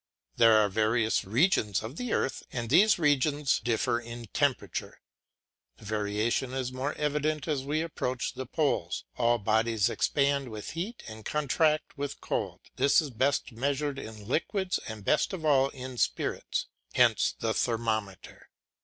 There are various regions of the earth, and these regions differ in temperature. The variation is more evident as we approach the poles; all bodies expand with heat and contract with cold; this is best measured in liquids and best of all in spirits; hence the thermometer.